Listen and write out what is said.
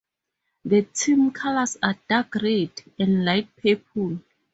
The team's colors are dark-red and light purple.